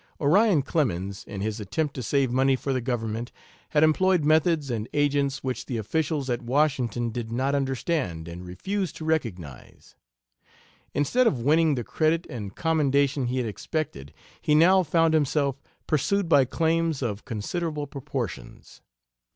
Orion Clemens, in his attempt to save money for the government, had employed methods and agents which the officials at Washington did not understand, and refused to recognize. Instead of winning the credit and commendation he had expected, he now found himself pursued by claims of considerable proportions.